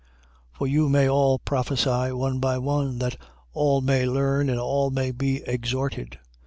14:31. For you may all prophesy, one by one, that all may learn and all may be exhorted.